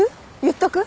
言っとく？